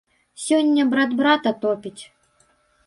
Сёння брат брата топіць.